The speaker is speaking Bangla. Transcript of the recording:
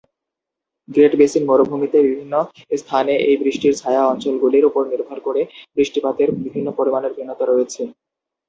গ্রেট বেসিন মরুভূমিতে বিভিন্ন স্থানে এই বৃষ্টির ছায়া অঞ্চলগুলির উপর নির্ভর করে বৃষ্টিপাতের বিভিন্ন পরিমাণের ভিন্নতা রয়েছে।